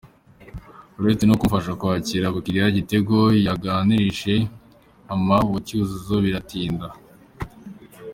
Uretse no kumufasha kwakira abakiriya, Igitego yaganirije mama wa Cyuzuzo biratinda.